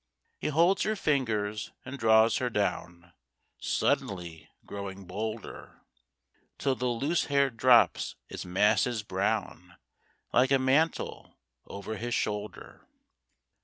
He holds her fingers and draws her down, Suddenly growing bolder, Till the loose hair drops its masses brown Like a mantle over his shoulder.